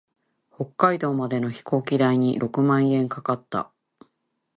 北海道までの飛行機代に六万円かかった。